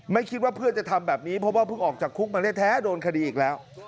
ไม่คิดว่าเพื่อนจะทำแบบนี้เพราะว่าเพิ่งออกจากคุกมาแท้โดนคดีอีกแล้ว